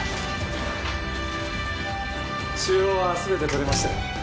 腫瘍は全て取れましたよ。